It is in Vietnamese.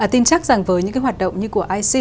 tin chắc rằng với những hoạt động như của ic